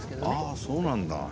ああそうなんだ。